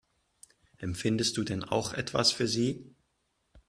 Empfindest du denn auch etwas für sie?